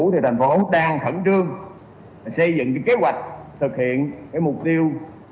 thì thành phố đang khẩn trương xây dựng kế hoạch thực hiện mục tiêu